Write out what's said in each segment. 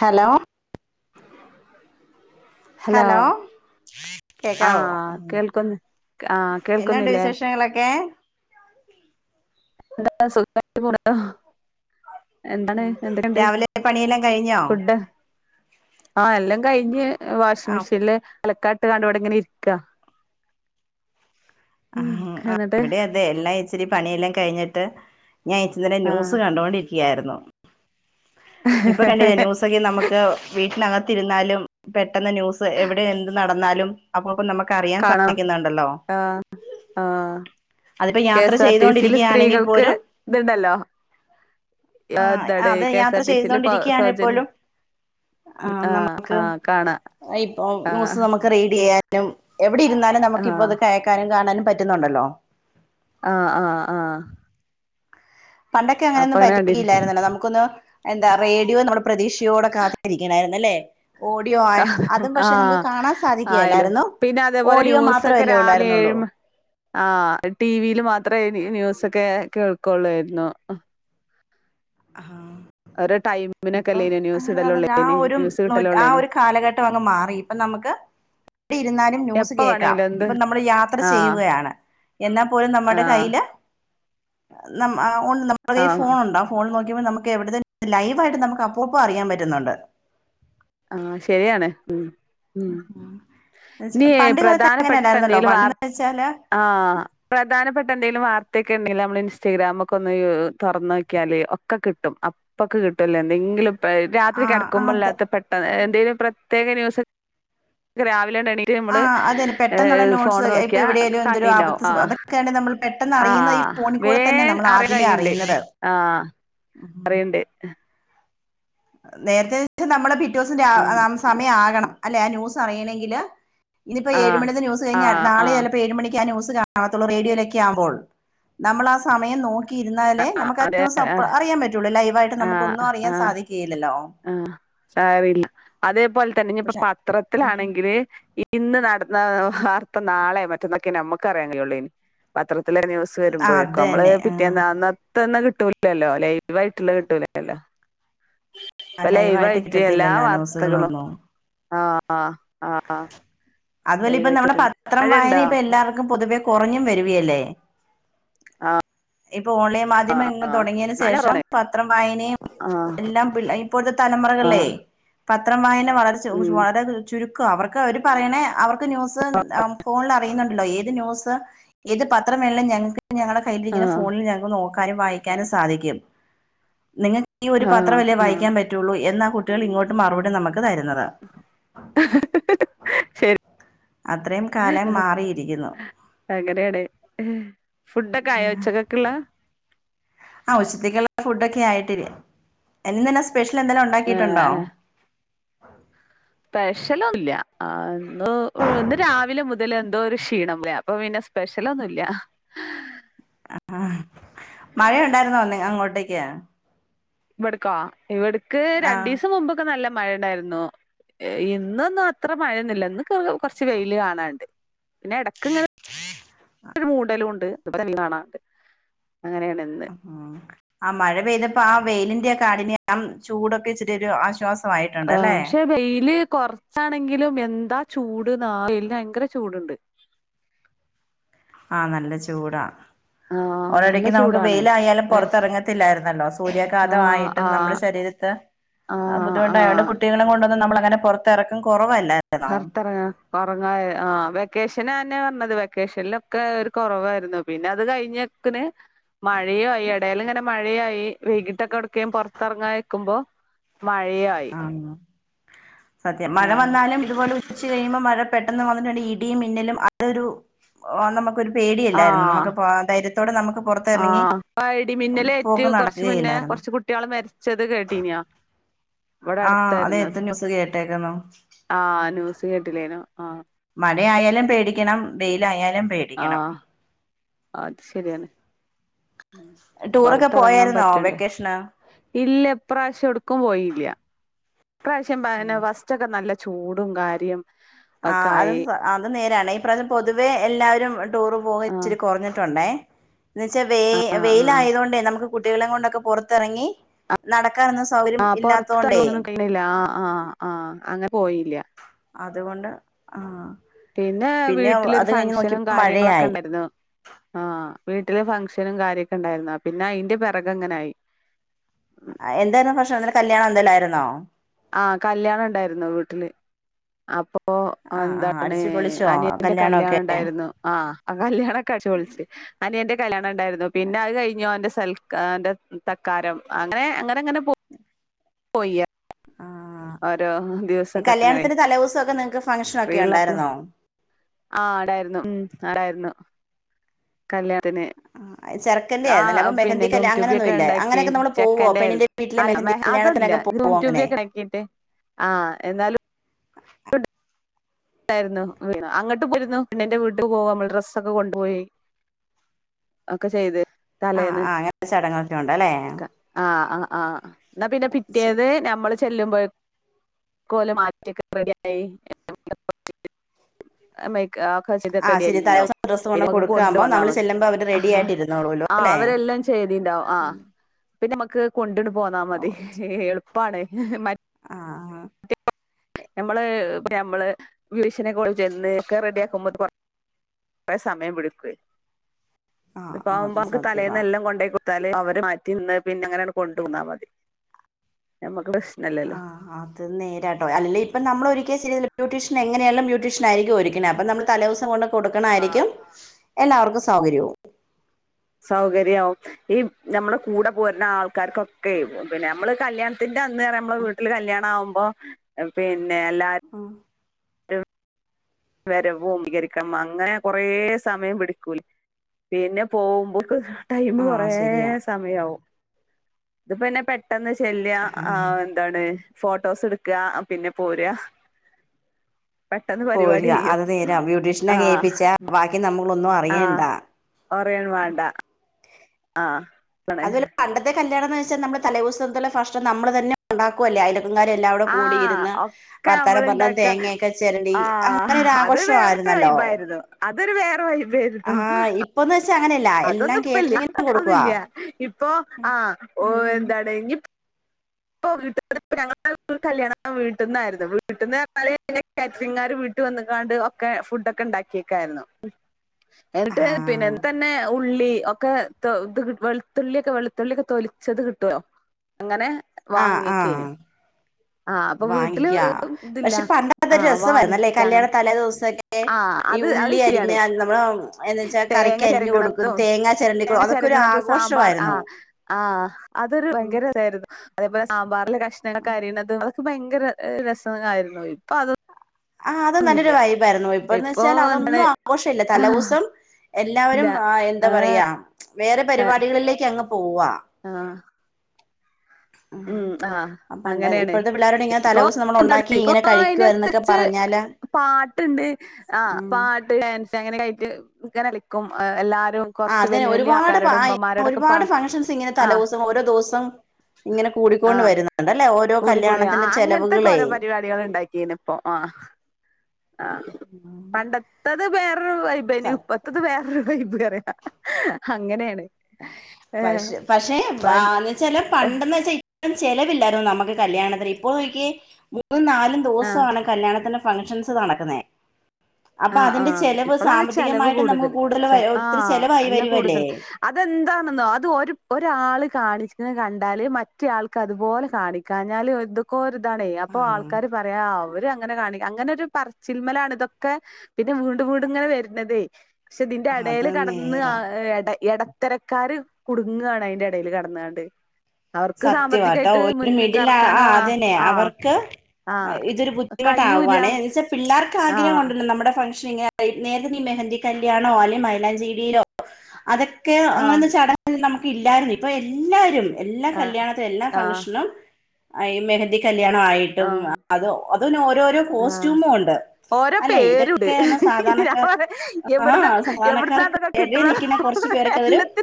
hello hello കേക്കാവോ ആഹ് കേൾക്കുന്നു ആഹ് എന്നാണ്ട് കേൾക്കുന്നില്ലേ വിശേഷങ്ങളൊക്കെ എന്തല്ല സുഖായിട്ട് പോന്നു എന്താണ് എന്തൊക്കെയുണ്ട് രാവിലെ പണിയെല്ലാം കഴിഞ്ഞോ ഫുഡ് ആ എല്ലാം കഴിഞ്ഞ് വാഷിംങ് ആ മെഷീനില് അലക്കാട്ടിങ്ങാണ്ട് ഇവടെ ഇങ്ങനെ ഇരിക്കാ ആ ഉം എന്നിട്ട് ഇവടെ അതെ എല്ലാം ഇച്ചിരി പണിയെല്ലാം കഴിഞ്ഞിട്ട് ഞാ ഇങ്ങനെ ന്യൂസ് ആഹ് കണ്ടൊണ്ടിരിക്കുകയായിരുന്നു ഇപ്പ കണ്ടിലെ ന്യൂസ് നമുക്ക് വീട്ടിനകത്തിരുന്നാലും പെട്ടെന്ന് ന്യൂസ് എവിടെ എന്ത് നടന്നാലും അപ്പപ്പൊ നമുക്ക് അറിയാൻ കാണാം സാധിക്കുന്നുണ്ടല്ലോ ആഹ് ആഹ് അതിപ്പോ കെ യാത്ര എസ് ആർ ടി സിയില് ചെയ്തൊണ്ടിരിക്ക്യാണെങ്കിൽ സ്ത്രീകൾക്ക് പോലും ഇതുണ്ടല്ലോ ആ എന്താണ് അതെ കെ എസ് യാത്ര ആർ ടി സിയില് ചെയ്തോണ്ടിരിക്കാണേൽ സൗജന്യം പോലും ആ ആഹ് നമുക്ക് ആഹ് കാണാ ഇപ്പൊ ആഹ് ന്യൂസ് നമുക്ക് റീഡെയ്യാനും എവിടെ ഇരുന്നാലും ആഹ് നമുക്കിപ്പോ ഇത് കേൾക്കാനും കാണാനും പറ്റുന്നുണ്ടല്ലോ ആഹ് ആഹ് ആഹ് പണ്ടൊക്കെ അപ്പൊ അങ്ങനെയൊന്നും അങ്ങനെ കണ്ടിരി പറ്റുകയില്ലായിരുന്നല്ലോ നമുക്കൊന്ന് എന്താ റേഡിയോ നമ്മള് പ്രതീക്ഷയോടെ കാത്തിരിക്കണായിരുന്നു അല്ലേ ഓഡിയോ ക ആയാ അതും പക്ഷെ നമുക്ക് ആഹ് കാണാൻ ആയാലും സാധിക്കെല്ലായിരുന്നു പിന്നെ അതേപോലെ ഓഡിയോ ന്യൂസൊക്കെ മാത്രല്ലേ രാവിലെ ഏഴ് ഒള്ളായിരുന്നുള്ളൂ മ [inaudible] ആഹ് ടി വിലെ മാത്രമേ ന്യൂസൊക്കെ കേൾക്കൊള്ളായിരുന്നു ആഹ് ഓരോ ഇപ്പം ടൈമിനൊക്കെല്ലേനോ ന്യൂസ് അങ്ങനെ [unintelligible] ഇടലുള്ളേന് ആഹ് ഒരു ന്യൂസ് നൂ ആഹ് കിട്ടലുള്ളേന് ഒരു കാലഘട്ടം അങ്ങ് മാറി അപ്പൊ നമുക്ക് എവടെ ഇരുന്നാലും ന്യൂസ് എപ്പ കേൾക്കാം വേണെങ്കിലും എന്ത് ഇപ്പൊ നമ്മള് യാത്ര ആഹ് ചെയ്യുകയാണ് എന്നാൽ പോലും നമ്മുടെ ആഹ് കയ്യില് നമ്മ ആഹ് ഒണ്ട് നമ്മുടെ കയ്യിൽ ആഹ് ഫോൺ ഉണ്ടാവും ഫോൺ നോക്കുമ്പോ നമക്ക് എവിടുന്ന് ലൈവായിട്ട് നമുക്ക് അപ്പപ്പോ അറിയാൻ പറ്റുന്നുണ്ട് ആഹ് ശരിയാണ് ഉം ഉം ഇനിയ് പണ്ട് കാലത്ത് അങ്ങനെ പ്രധാനപ്പെട്ട അല്ലായിരുന്നല്ലോ എന്തെലും വാർ പണ്ടെന്ന് വെച്ചാല് ആഹ് പ്രധാനപ്പെട്ട എന്തേലും വാർത്തെക്കെണ്ടെങ്കില് നമ്മള് ഇൻസ്റ്റാഗ്രാമ ഒക്കെ ഒന്ന് യൂ തുറന്നോക്കിയാല് ഒക്കെ കിട്ടും അ പ്പൊക്കെ കിട്ടുല്ലേ എന്തെങ്കിലും രാത്രി ആ കെടക്കുംമ്പോ അത് അല്ലാത്ത പെട്ടെന്ന് എന്തെലും പ്രത്യേക ന്യൂസ് രാവിലെണ്ട് എണീ ആഹ് അതന്നെ പെട്ടെന്നുള്ള നോട്ട്സ് ഇപ്പൊ നോക്കിയാ എവിടെയാലും എന്തൊരു കണ്ടീണ്ടാവും ആപത് ആഹ് അതൊക്കെ നമ്മൾ പെട്ടെന്ന് അറിയുന്നത് ഈ ആഹ് ഫോണിക്കൂടെ തന്നെ വേഗം നമ്മൾ അറിയാൻ ആദ്യമേ അറിയുന്നത് പറയണ്ടേ ആഹ് നേരത്തെന്നവച്ചു നമ്മള് പിറ്റേ ദിവസം സമയം ആകണം അല്ലെ ആഹ് ന്യൂസ് അറിയണെങ്കില് ഇനിപ്പോ ഏഴ് ആഹ് മണിന്റെ കഴിഞ്ഞാ ആഹ് ആഹ് നാളെലപ്പോ ഏഴ്മണിക്കാ ന്യൂസ്‌ കാ നത്തൊള്ളൂ റേഡിയോയിലൊക്കെ ആവുമ്പോൾ നമ്മള് ആഹ് സമയം നോക്കി ക്കിരുന്നാലേ നമുക്ക് ആഹ് അതെ ന്യൂസപ്പ ആഹ് അറിയാൻ പറ്റൊള്ളൂ ലൈവായിട്ട് നമുക്ക് ഒന്നും അറിയാൻ സാധിക്കുയില്ലല്ലോ ഉം ആഹ് സരില്ല അതേപോലെ തന്നെ ഇനിപ്പ പക്ഷെ പത്രത്തിലാണെങ്കില് ഇന്ന് നടന്ന വാർത്ത നാളെ മറ്റന്നൊക്കെ നമ്മുക്ക്റിയാൻ കഴിയുല്ലെനി പത്രത്തിലെ ന്യൂസ്‌ ന്യൂസ്‌ അത് വരുമ്പോലേക്കും നമ്മള് തന്നെ പിറ്റേന്ന് അന്നതെന്നെ കിട്ടൂലല്ലോ ലൈവായിട്ടുള്ള കിട്ടൂലല്ലോ ആ ഇപ്പൊ ലൈവായിട്ട് എല്ലാ കിട്ടത്തില്ലല്ലോ വാർത്തകളും ന്യൂസുകളൊന്നും ആഹ് ആഹ് അതുപോലെ ലൈവ് ഇപ്പ നമ്മുടെ ആയിട്ടിട്ടുണ്ട് പത്രം വായന മഴയുണ്ടോ ഇപ്പൊ എല്ലാവർക്കും പൊതുവേ കുറഞ്ഞും വരകയല്ലേ ഇപ്പൊ ഓൺലൈൻ മാധ്യമം ആഹ് തുടങ്ങിയതിനന് മഴ ശേഷം കുറവാണ് പത്രം വായനയും ആഹ് എല്ലാം ഇപ്പോഴത്തെ തലമുറകളെ ആഹ് പത്രം വളരെ ഉം വളരെ ചുരുക്കവ അവർക്ക് അവർ പറയണേ അവർക്ക് ന്യൂസ് ഫോണിൽ അറിയുന്നുണ്ടല്ലോ ഏത് ന്യൂസ് ഏത് പത്രം വേണമെങ്കിലും ഞങ്ങൾക്ക് ഞങ്ങളുടെ കയ്യിലിരിക്കുന്നെ ആഹ് ഫോണിൽ ഞങ്ങൾക്ക് നോക്ക ക്കാനും വായിക്കാനും സാധിക്കും നിങ്ങൾക്ക് ഈ ഒരു ആഹ് പത്രമല്ലേ ആഹ് വായിക്കാൻ പറ്റ പറ്റുള്ളൂ എന്ന കുട്ടികൾ ഇങ്ങോട്ടും മറുപടി നമുക്ക് തരുന്നത് [unintelligible] ശരി അത്രയും കാലം [unintelligible] മാറിയിരിക്കുന്നു അങ്ങനെ ആണ് ഏഹ് ഫുഡൊക്കെ ആയ ഉച്ചക്കൊക്കെ ഉള്ള ആഹ് ഉച്ചത്തക്കുള്ള ഫുഡൊക്കെ ആയിട്ടില്ല എഞ്ഞ ഇന്ന് സ്പെഷ്യൽ എന്തൊലും ഉണ്ടാക്കിയിട്ടുണ്ടോ സ്പെഷ്യലോ ഒന്നുല്ല ഇന്ന് രാവിലെ മുതൽ എന്തോ ഒരു ക്ഷീണം അപ്പൊ പിന്നെ സ്പെഷ്യലൊന്നുംല്ല ആഹ് മഴയുണ്ടായിരുന്നോ അങ്ങോട്ടേക്ക് ഇവിടുക്കാ ഇവിടക്ക് രണ്ടു ആഹ് ദിവസം മുമ്പ് നല്ല മഴ ഉണ്ടായിരുന്നു ഇന്നൊന്നും അത്ര മഴയന്നില്ലന്ന് കുറച്ച് വെയിയില് കാണാനുണ്ട് പിന്നെ ഇടക്ക് ഇങ്ങനെ [unintelligible] മൂണ്ടലും ഉണ്ട്നി കാണാണ്ട് അങ്ങനെയാണ് ഇന്ന് ഉം ആഹ് മഴ പെയ്തപ്പോ ആഹ് വെയിലിന്റെ ആഹ് കാഡിന്യം എല്ലാം ചൂടൊക്കെ ഇച്ചിരി ഒരു ആശ്വാസം ആഹ് പക്ഷെ വെയില് കുറച്ചാണെങ്കിലും എന്താ ചൂട് ന വെയില് ഭയങ്കര ചൂടുണ്ട് ആഹ് നല്ല ചൂടാ ആ നല്ല ഓരിടയ്ക്ക് നമുക്ക് ചൂടാണ് വെയിലായാലും ഏ, പുറത്തിറങ്ങത്തില്ലായിരുന്നല്ലോ ആ സൂര്യാഘാതമായിട്ടും ആ നമ്മുടെ ശരീരത്തിൽ ആ ആ ബുദ്ധമുട്ടായതോണ്ട് കുട്ടികളും കൊണ്ടൊന്നും നമ്മള അങ്ങനെ പുറത്തിറക്കും കുറവല്ല [unintelligible] കൊറങ്ങായി ആഹ് വെക്കേഷൻ അതെന്നെ പറഞ്ഞത് വെക്കേഷന്ലൊക്കെ ഒരു കൊറവായിരുന്നു പിന്നെ അത് കഴിഞ്ഞ ക്ക്ന് മഴയായി എടേല്ങ്ങനെ മഴയായി വൈകിട്ടൊക്കെ എവ്ട്ക്കെ പൊറത്തെറങ്ങാ നിക്ക്മ്പോ മഴയായി ആഹ് സത്യം മഴ ആ വന്നാലും ഇത്പോലെ ഉച്ച കഴിയുമ്പോ മഴ പെട്ടെന്ന് വന്നിട്ടു ഇടിയും മിന്നലും അതൊരു നമുക്കൊരു ആ പേടിയല്ലായിരുന്നു നമുക്ക്പ്പോ ധൈര്യത്തോടെ നമുക്ക് പൊറത്ത്റങ്ങി ആ പോക്ക് നടക്ക്കയില്ലായിരുന്നു കുട്ട്യേള് മരിച്ചത് കേട്ടീന്യോ ആഹ് അത് നേരത്തെ ന്യൂസ് കേട്ടാര്ന്നു ആഹ് ന്യൂസ് കേട്ടിലേനോ ആഹ് മഴയാലും പേടിക്കണം വെയിലായാലും പേ ആഹ് അത് ശരിയാണ് ഉം ടൂറൊക്കെ പൊറത്തെറങ്ങാൻ പോയായിരുന്നോ പറ്റണ്ടേ വെക്കേഷന് ഇല്ല ഇപ്രാശ്യം എവ്ടുക്കും പോയില്ല ഇപ്രാശ്യം ബന വസ് ച്ചൊക്കെ നല്ല ചൂടും കാര്യം ഒക്കെ ആഹ് അത് ആയി അത് നേരാണ് ഇപ്രാശ്യം പൊതുവെ എല്ലാരും ടൂർ പോവ ആഹ് ഇച്ചിരി കൊറഞ്ഞിട്ടുണ്ടേ എന്ന് വെച്ചാ വെ ആഹ് ആഹ് വെയിലായതോണ്ടേ നമുക്ക് കുട്ട്യേളെ കൊണ്ടൊക്കെ പൊറത്തെറങ്ങി നടക്കാനൊന്നും സൗകര്യം ഇല്ലാത്തൊണ്ടേ ണില്ല ആഹ് ആഹ് ആഹ് അങ്ങനെ പോയില്ല അത്കൊണ്ട് ആഹ് പിന്നെ വീട്ടിലൊരു അത് കഴിഞ്ഞ് ഫങ്ഷനും നോക്കിയപ്പോ കാര്യങ്ങളൊക്കെ മഴയായി ഉണ്ടായിരുന്നു ആഹ് വീട്ടില് ഫങ്ക്ഷനും കാര്യൊക്കെണ്ടായിരുന്നു പിന്നെ അയിന്റെ പെറകങ്ങെനായി എന്തായിരുന്നു ഫങ്ക്ഷന് എന്തേ കല്യാണം എന്തേല്ലായിര്ന്നോ ആഹ് കല്യാണണ്ടായിരുന്നു വീട്ട്ല് അപ്പൊ പ്പൊ ആഹ് ആഹ് എന്താണ് അടിച്ചു പൊളിച്ചോ അനിയന്റെ കല്യാണൊക്കെ കല്യാണണ്ടായിരുന്നു ആഹ് ആ കല്യാണൊക്കെ അടിച്ചു പൊളിച്ചു അനിയന്റെ കല്യാണം ഇണ്ടായിരുന്നു പിന്നെ അത് കഴിഞ്ഞോന്റെ സൽ ക്കാര തക്കാരം അങ്ങനെ അങ്ങനെങ്ങനെ പോ പോയ ആഹ് ഓരോ ദിവസൊക്കെ അങ്ങനെ കല്യാണത്തിന്റെ തലേദിവസമൊക്കെ നിങ്ങൾക്ക് ഫംഗ്ഷൻ ഒക്കെ ഫ്രീള്ളപ്പളാ ഉണ്ടായിരുന്നോ ആഹ് ടായിരുന്നു മ് ഉണ്ടായിരുന്നു കല്യാണത്തിന് ചെറുക്കന്റെ ആയിരുന്നല്ലേ ആഹ് അപ്പൊ പിന്നെ മെഹന്തി കല്യാണം ഗ്രൂടുബി അങ്ങനൊന്നും ഇല്ല ഒക്കെണ്ടാക്കി അങ്ങനെയൊക്കെ നമ്മൾ പോവോ ചെക്കന്റായി പെണ്ണിന്റെ വീട്ടിലെ അല്ല മെഹന്തി മെ അതൊന്നല്ല കല്യാണത്തിനൊക്കെ പോവോ അങ്ങനെ ഗ്രുംറ്റുബിയൊക്കെ ഇണ്ടാക്കീട്ട് ആഹ് എന്നാലും ണ്ടായിരുന്നു [unintelligible] അങ്ങട്ട് പോയിരുന്നു പെണ്ണിന്റെ വീട്ട്ക്ക് പോവമ്മള് ഡ്രസ്സോക്കെ കൊണ്ടോയി ഒക്കെ ചെയ്ത് ആഹ് തലേന്ന് ആഹ് അങ്ങനെത്തെ ചടങ്ങ്കളൊക്കെ ഉണ്ട് അല്ലേ ആഹ് ആഹ് ആഹ് ഇന്നാ പിന്നെ ശരി പിറ്റേന്ന് നമ്മള് ചെല്ലുമ്പോയേക്കും ഒലെ മാറ്റിയൊക്കെ റെഡിയായി [unintelligible] മെ ആതൊക്കെ വെച്ചത് ആ ശരി റെഡിയായിണ്ടാവും തലേദിവസം ഡ്രസ്സ് പിന്നെമ്മക്ക് കൊണ്ട് കൊടുക്കുമ്പോൾ പോന്നാ നമ്മൾ മതി ചെല്ലുമ്പോൾ അവർ റെഡി ആഹ് ആയിട്ട് ഇരുന്നോളൂല്ലോ അല്ലേ അവരെല്ലാം ചെയ്തീന്റാവും ആഹ് പിന്നെ നമ്മക്ക് കൊണ്ട്ണ് പോന്നാ മതി എള്പ്പാണ് മ ആഹ് ആഹ് നമ്മള് പ്പൊ നമ്മള് [unintelligible] കൊണ്ട് ചെന്ന് ഒക്കെ റെഡിയാക്കുമ്പോ കൊ റെ സമയം പിടിക്കു ആ ആ ഇത്പ്പാവുമ്പോ അത് നമ്മക്ക് സത്യമാ തലേന്നെല്ലം കൊണ്ടേകൊ ട്ത്താല് അവര് മാറ്റി നിന്ന് പിന്നെ അങ്ങനെയാണ്ട് കൊണ്ടോന്നാ മതി നമക്ക് പ്രശ്നല്ല ആഹ് ആഹ് അത് നേരാട്ടോ അല്ലേപ്പം നമ്മളൊരിക്ക്യാ ശരി ബ്യുട്ടീഷന് എങ്ങനായാലും ബ്യൂട്ടീഷനായിരിക്കും ഒര്ക്ക്ന്നേ അപ്പ നമ്മള് തലേ ദിവസം കൊണ്ട് കൊട്ക്ക്ണായിരിക്കും എല്ലാവർക്കും സൗകര്യവും സൗകര്യവും ഈ നമ്മുടെ കൂടെ പോരുന്ന ആൾക്കാർക്കൊക്കെ പിന്നെ നമ്മള് കല്യാണ ത്തിന്റെ അന്ന്പറയുമ്പെനമ്മളെ വീട്ടില് കല്യാണ ആകുമ്പോ പിന്നെ എല്ലാരും ഉം വരവും സ്വീകരിക്കണം അങ്ങനെ കൊറേ സമയം പിടിക്കൂലെ പിന്നെ പോകുമ്പോക്ക് ടൈം ആഹ് കൊറേ ശരിയാ സമയാവും ഇതിപ്പോന്നെ പെട്ടെന്ന് ചെല്യ ആ ന്താണ് ഫോട്ടോസ്ട്ക്ക പിന്നെ പോരാ പെട്ട പോര അത് നേരാ ബ്യൂട്ടീഷ്യനെ ഏൽപ്പിച്ചാ ബാക്കി നമ്മളൊന്നും അറിയണ്ട അറിയോം വേണ്ട ആഹ് ണ് അതുപോലെ പണ്ടത്തെ കല്യാണംണന്ന് വെച്ചാൽ നമ്മള് തലേ ദിവസത്തെക്കുള്ള ഭക്ഷണം നമ്മള് തന്നെ ഉണ്ടാക്കുക അല്ലേ അയ് ങ്ങർ എല്ലാം ആഹ് കൂടിരുന്ന് ഒക്കെ വർത്താനം നമ്മള് പറഞ്ഞ് ഇണ്ടാക്ക തേങ്ങയൊക്കെ ചിരണ്ടി ആഹ് അങ്ങനെ ഒരു അത് ആഘോഷമായിരുന്നു വേറൊരു വൈബായിരുന്നു അതൊരു വേറെ വൈ ആ ഇപ്പൊന്ന് വെച്ചാ അങ്ങനെയല്ല എല്ലാം അതൊന്നും ഇപ്പല്ല കേറ്ററിങ്ങിന് കൊടുക്കുവാ അല്ല ഇപ്പൊ ആ ഓ ഉം എന്താണ് ഞ്ഞ്പ്പ് ഇപ്പ വീട്ട ഞങ്ങള കല്യാണം വീട്ടീ ന്നായിരുന്നു വീട്ടന്ന് പർഞ്ഞാല് കാറ്ററിംഗ് കാര് വീട്ട് വന്നട്ടങ്ങാണ്ട് ഒക്കെ ഫുഡ് ഒക്കെ ഉണ്ടാക്കിക്കായിരുന്നു എന്നിട്ട് പിന്നെ ആഹ് എന്തന്നെ ഉള്ളി ഒക്കെ ഇത് വെളുത്തുള്ളിയൊക്കെ വെളുത്തുള്ളിക്കെ തൊലിച്ചത് കിട്ടു വല്ലോഅങ്ങനെ ആഹ് ആഹ് ആഹ് അപ്പൊ വീട്ടില് വാങ്ങിക്കാ ഇതില്ല പക്ഷെ പണ്ടൊക്കെ ഒരു ആഹ് രസമായിരുന്നുല്ലേ വാങ്ങിക്ക കല്യാണ അങ്ങനെ തലേ ദിവസൊക്കെ ആഹ് ഈ അത് അത് ഉള്ളി അരിഞ്ഞ ശരിയാണ് നമ്മള് എന്ത് വെച്ചാ തേങ്ങ കറിക്കരിഞ്ഞു കൊടുക്കും ചെരകണതും തേങ്ങാ ചിരണ്ടി തേങ്ങ കൊടുക്കും അതൊക്കെ ഒരു ചെരകണതും സാമ്പാർ ആഘോഷമായിരുന്നു ആഹ് ആഹ് അതൊരു ഭയങ്കര ഇതായിരുന്നു അതേപോലെ സാമ്പാറിലെ കഷ്ണങ്ങൾെ അരിയുന്നതും അതക്കെ ഭയങ്കര രസമായിരുന്നു ഇപ്പൊ അതൊ ആ അത നല്ലൊരു വൈബായിരുന്നു ഇപ്പന്ന് ഇപ്പൊ വെച്ചാൽ അതൊന്നും എന്താണ് ആഘോഷ ഇല്ല തലേ ദിവസം ഇല്ല എല്ലാവരും എന്താ പറയാ വേറെ പരിപാടികളിലേക്കങ്ങ് പോവാ ആഹ് ഉം ആഹ് പണ്ട് അങ്ങനെയാണ് ഇപ്പോഴത്തെ പിള്ളേരോട് ഇങ്ങനെ ഇപ്പൊ തലേദിവസം നമ്മൾ ഉണ്ടാക്കി ഇപ്പൊ ഇങ്ങനെ കഴിക്കുവായിരുന്നൊക്കെ അതിനനുസരിച്ച് പറഞ്ഞാല് പാട്ടുണ്ട് ആ ഉം പാട്ട് ഡാൻസ് അങ്ങനെക്കയായിട്ട് ഇങ്ങനെ കളിക്കും എല്ലാരും ആ കൊറച്ച് അതെ വല്യ വല്യ ഒരുപാട് ആൾക്കാരുടെ ഉമ്മമാരോടൊക്കെ പാ ഒരുപാട് ഫംഗഷൻസ് ഇങ്ങനെ തലേ ആഹ് ദിവസം ഓരോ ദിവസം ഇങ്ങനെ കൂടിക്കൊണ്ട് വരുന്നുണ്ട്ല്ലേ കൂട കൂടി ആ അങ്ങനത്തൊക്കെ ഓരോ പരിപാടികൾ ഉണ്ടാക്കിയന് ഇപ്പൊ ആ ആ പണ്ടത്തത് വേറൊരു വൈ ബായി നു ഇപ്പ ഇപ്പത്തത് വേറൊരു വൈബ് പറയാ അങ്ങനെയാണ് ഏഹ് പക്ഷെ പക്ഷെ പണ്ട് [unintelligible] വെച്ചാല് പണ്ടെന്ന വെച്ചാ ല് ചെലവില്ലായിരുന്നു നമുക്ക് കല്യാണത്തി ന്ഇപ്പോ നോക്കിയേ മൂന്നും നാലും ആ ദിവസാണ് കല്യാണത്തിൻ്റെ ഫങ്ഷൻസ് നടക്കുന്നേ അപ്പൊ ആഹ് അതിന്റെ ആഹ് ചെലവ് ഇപ്പളാണ് ചെലവ് സാമ്പത്തികമായിട്ട് നമുക്ക് കൂടുതല് കൂടുതൽ ചെ ഒത്തിരി ആഹ് ചെലവായി നല്ല വരുവല്ലേ കൂടുതൽ അതെന്താണെന്നോ അത് ഒരാള് കാണിക്കുന്നത് കണ്ടാല് മറ്റ ആൾക്ക് അതുപോലെ കാണിക്ക കാഞ്ഞാല് എ ദു ഓരിതാണേ അപ്പൊ ആഹ് ആൾക്കാര് പറയാ അവര് അങ്ങനെ കാണിക്ക അങ്ങനെ ഒരു പറച്ചിൽ മേലാണ് ഇതൊക്കെ ക്കെ പിന്നെ വീണ്ടും വീണ്ടും ഇങ്ങനെ വരുന്നതേ പക്ഷെ ഇതിന്റെ ഇടയിൽ അത് കടന്ന് നേരാ ഇട ഇത്തരക്കാര് കുടുങ്ങാണ് അതിന്റെ ഇടയിൽ കടന്നാണ്ട് അവർക്ക് സത്യവാട്ടോ സാമ്പത്തികായിട്ട് ഒരു മുന്ന്ക്ക് മിഡിൽ ആ അറക്കാനും ആഹ് അതനെ ആഹ് അവർക്ക് ആഹ് ഇതൊരു ബുദ്ധിമുട്ട് കയ്യൂല ആവാണെ എന്ന് വെച്ചാൽ പിള്ളേർക്ക് ആഹ് ആഗ്രഹംണ്ടല്ലോ നമ്മുടെ ഫൻഷൻ ഇങ്ങനെ - നേരത്തെ നീ മെഹന്തി കല്യാണോ അല്ലെ മൈലാഞ്ചിയിടിയിലോ അതൊക്കെ ആഹ് അങ്ങനെന്ന് ചട നമുക്ക് ഇല്ലായിരുന്നു ഇപ്പ എല്ലാരും എല്ലാ ആഹ് കല്യാണത്തിനും എല്ലാ ആഹ് ഫംഗ്ഷനും ഈ മെഹന്തി കല്യാണ ആയിട്ടും ആഹ് അത് അതന്ന ഓരോരോ കോസ്റ്റ്യൂമും ഉണ്ട് ഓരോ അല്ലെ പേരുട് ഇതൊക്കെയാണ് ഞാൻ സാധാരണക്കാർ ആഹ് പറയുംഎവിടന്നാത് എവിടന്നാ സാധാരണക്കാർക്ക് തൊക്കെ ഇടയിൽ കിട്ടണ നിൽക്കുന്ന കുറച്ചു പേർക്ക് അതൊരു എല്ലാത്തി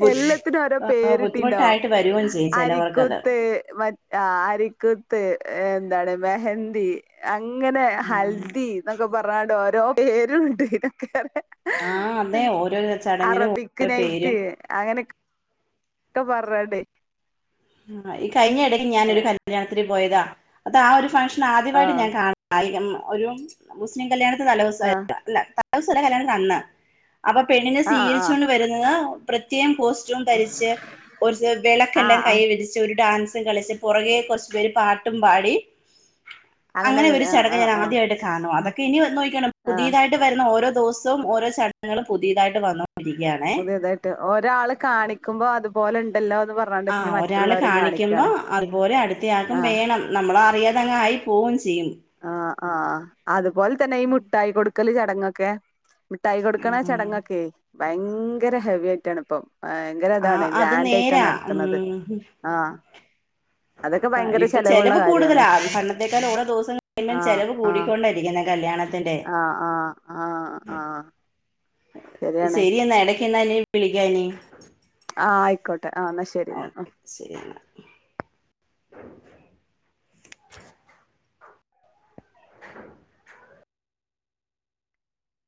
ബു എല്ലാത്തിനും ഓരോ പേരിട്ടിണ്ടോ- ബുദ്ധിമുട്ടായിട്ട് വരുകയും ചെയ്യും ചിലവർക്കത് അരിക്കുത്ത് മ അരിക്കുത്ത് എന്താണ് മെഹ ന്തി അങ്ങനെ ഹൽദി ഇന്നൊക്കെ പറഞ്ഞണ്ട് ഓരോ പേരുണ്ട് ഇനൊക്കെ- ആഹ് ആന്നെ ഓരൊരൊ ചടങ്ങിനും ഓരോ പേര് - അയ്നക്ക്- ഒക്കെ പറഞ്ഞാണ്ട്- ആ ഈ കഴിഞ്ഞ ഇടയ്ക്ക് ഞാനൊരു ആഹ് കല്യാണത്തി പോയതാ അപ്പ ആ ഒരു ഫങ്ഷൻ ആദ്യമായിട്ട് ആഹ് ഞാൻ കാണ കായി ഒരു മുസ്ലിം കല്യാണ തലേസം അല്ല തലേസല്ലകല്യാണത്തന്ന് അപ്പൊ പെണ്ണിനെ ആഹ് ആഹ് സ്വീകരിച്ചൊണ്ട് വരുന്നത് പ്രത്യേകം കോസ്- റ്റ്യുധരിച്ച് ഒരു ആഹ് വെളക്കെല്ലാം- ആഹ് പിടിച്ച് ഒരു ഡാൻസും കളിച്ച് പുറകെ കുറച്ചു പേര് പാട്ടും പാടി അങ്ങനെ ഒരു വരും ചടങ് ആഹ് ആഹ് ഞാനാദ്യമായിട്ട് കാണുവാ ആഹ് അതൊക്കെ ഇനി നോക്കിക്കോണം ആഹ് പുതിയതായിട്ട്- വരുന്ന ഓരോ ദിവസവും ഓരോ ചടങ്ങുകളും പുതിയതായിട്ട് വന്നു- പുതിയതായിട്ട് ഒരാള് കാണിക്കുമ്പോ അതുപോലെ ഉണ്ടല്ലോ എന്ന് പറ- ആ ഒരാള് കാണിക്കുമ്പോ അതുപോലെ അടുത്തിയാക്കും ആഹ് വേണം നമ്മളറിയാതങ്ങ് ആയി പോവുകയും ചെയ്യും ആഹ് ആഹ് അതുപോലെ തന്നെ ഈ മുട്ടായി കൊടുക്കല് ചടങ്ങൊക്കെ- മിഠായി കൊടുക്കണ ആഹ് ചടങ്ങൊക്കെ ഭയങ്കര ഹെവി ആയിട്ടാണ് ഇപ്പൊ ഭയങ്കര ആ ഇതാണ് അത് ഗ്രാൻഡായിട്ടാ നേരാ നടത്തണത് ആഹ് അതൊക്കെ ഭയങ്കര ഇപ്പ ചെലവുള്ള ചിലവ് കാര്യാണ് കൂടുതലാ പണ്ടത്തേക്കാൾ ഓരോ ദിവസം കഴിയുമ്പം ആഹ് ചെലവ് കൂടി ആഹ് കൊണ്ടാരിക്കുന്ന കല്യാണത്തിന്റെ- ആഹ് ആഹ് ആഹ് ആഹ് ശരിയാണ് ശരി എന്നാ ഇടക്ക് എന്ന വിളിക്കാനി ആഹ് ആയിക്കോട്ടെ ആ എന്നാ ശരി എന്നാ ശരിയാണ് [inaudible]